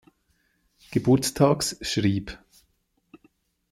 Geburtstags schrieb.